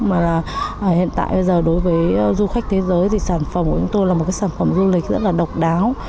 mà là hiện tại bây giờ đối với du khách thế giới thì sản phẩm của chúng tôi là một cái sản phẩm du lịch rất là độc đáo